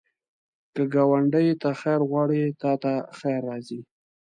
که ګاونډي ته خیر غواړې، تا ته خیر راځي